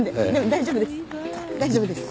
大丈夫です。